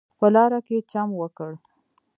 په لاره کې چم وکړ.